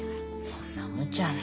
そんなむちゃな。